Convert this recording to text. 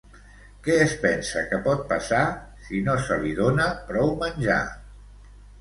Què es pensa que pot passar si no se li dona prou menjar?